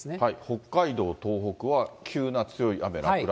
北海道、東北は急な強い雨、落雷。